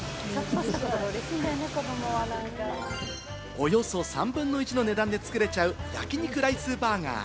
およそ３分の１の値段で作れちゃう焼き肉ライスバーガー。